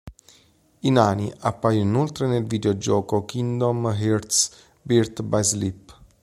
I nani appaiono inoltre nel videogioco "Kingdom Hearts Birth by Sleep".